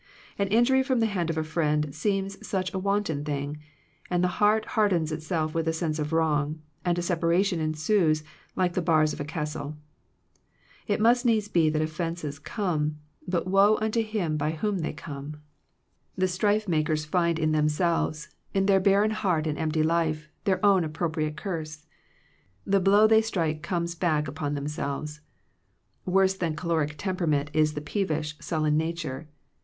An injury from the hand of a friend seems such a wanton thing, and the heart hard ens itself with the sense of wrong, and a separation ensues like the bars of a castle. It must needs be that offences come, but woe unto him by whom they come. 173 Digitized by VjOOQIC THE RENEWING OF FRIENDSHIP The strife makers find in themselves, in their barren heart and empty life, their own appropriate curse. The blow they strike comes back upon themselves. Worse than the choleric temperament is the peevish, sullen nature.